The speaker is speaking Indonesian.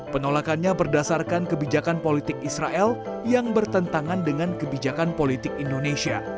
penolakannya berdasarkan kebijakan politik israel yang bertentangan dengan kebijakan politik indonesia